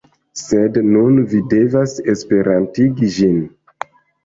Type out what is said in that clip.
Sed nun, vi devas Esperantigi ĝin.